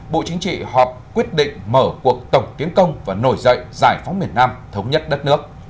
bộ chính trị họp quyết định mở cuộc tổng tiến công và nổi dậy giải phóng miền nam thống nhất đất nước